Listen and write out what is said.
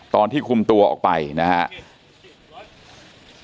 ตอนที่คุมตัวออกไปนะครับ